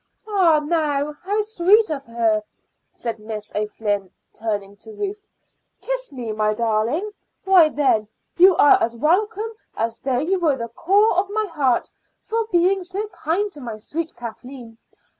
"Ah, now, how sweet of her!" said Miss O'Flynn, turning to Ruth. "Kiss me, my darling. Why, then, you are as welcome as though you were the core of my heart for being so kind to my sweet Kathleen.